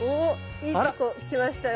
いいとこ来ましたよ。